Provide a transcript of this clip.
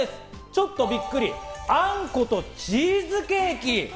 ちょっとびっくり、あんことチーズケーキ！